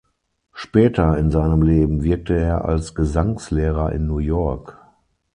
Später in seinem Leben wirkte er als Gesangslehrer in New York.